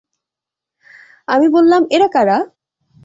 আমি বললাম, এরা কারা?